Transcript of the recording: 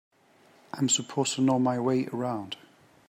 I'm supposed to know my way around.